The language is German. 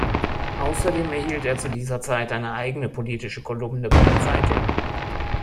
Außerdem erhielt er zu dieser Zeit eine eigene politische Kolumne bei der Zeitung.